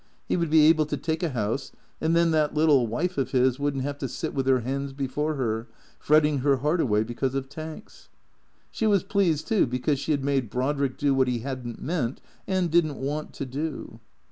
He would be able to take a house, and then that little wife of his would n't have to sit with her hands before her, fretting her heart away because of Tanks. She was pleased, too, because she had made Brodrick do what he had n't meant and did n't want to do.